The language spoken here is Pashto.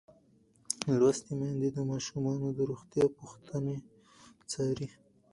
لوستې میندې د ماشومانو د روغتیا پوښتنې څاري.